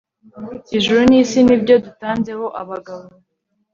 ijuru n'isi ni byo dutanzeho abagabo